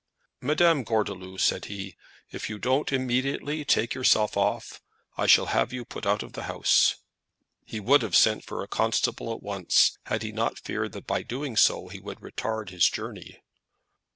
"Madame Gordeloup," said he, "if you don't immediately take yourself off, I shall have you put out of the house." He would have sent for a constable at once, had he not feared that by doing so, he would retard his journey.